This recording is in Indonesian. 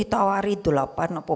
hai ditawar itu lopan apa piroku menteri